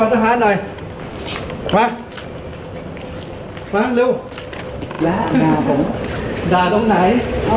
มาจับอาศาสน์หน่อย